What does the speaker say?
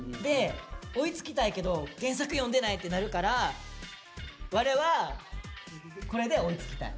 追いつきたいけど原作読んでないってなるからワレはこれで追いつきたい。